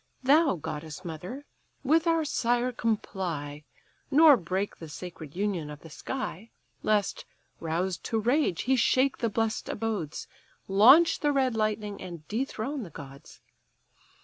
Thou, goddess mother, with our sire comply, Nor break the sacred union of the sky: Lest, roused to rage, he shake the bless'd abodes, Launch the red lightning, and dethrone the gods.